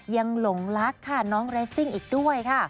หลงรักค่ะน้องเรสซิ่งอีกด้วยค่ะ